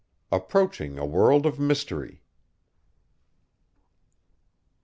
APPROACHING A WORLD OF MYSTERY.